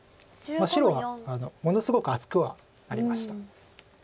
白はものすごく厚くはなりました。